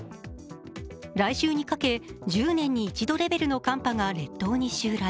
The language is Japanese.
来週にかけ、１０年に一度レベルの寒波が襲来。